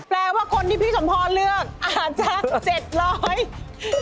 แปลว่าคนที่พี่สมพรเลือกอาจจะ๗๐๐บาท